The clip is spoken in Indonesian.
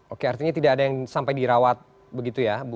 oke artinya tidak ada yang sampai dirawat begitu ya bu